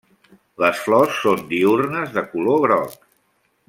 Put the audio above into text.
Les flors són diürnes de color groc.